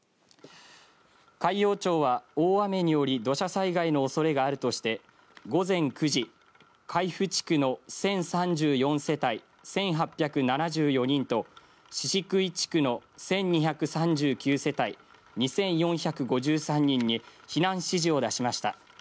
海陽町は大雨により土砂災害のおそれがあるとして午前９時海部地区の１０３４世帯１８７４人と宍喰地区の１２３９世帯２４５３人に避難指示を出しました。